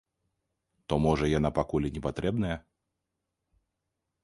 То, можа, яна пакуль і не патрэбная?